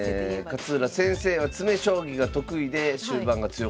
勝浦先生は詰将棋が得意で終盤が強かった。